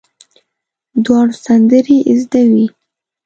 دواړو سندرې زده وې.